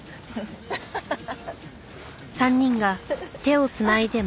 アハハハハ。